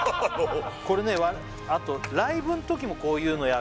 これねあとライブんときもこういうのやるんすよ